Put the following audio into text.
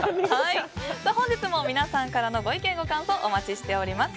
本日も皆さんからのご意見、ご感想をお待ちしております。